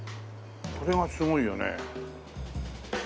それがすごいよね。